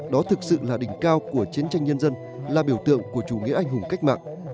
đó thực sự là đỉnh cao của chiến tranh nhân dân là biểu tượng của chủ nghĩa anh hùng cách mạng